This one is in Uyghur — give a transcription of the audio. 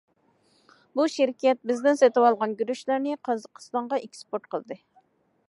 بۇ شىركەت بىزدىن سېتىۋالغان گۈرۈچلەرنى قازاقىستانغا ئېكسپورت قىلدى.